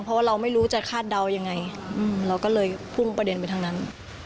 เพราะว่าเราไม่รู้จะคาดเดายังไงเราก็เลยพุ่งประเด็นไปทั้งนั้น